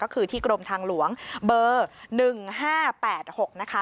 ก็คือที่กรมทางหลวงเบอร์๑๕๘๖นะคะ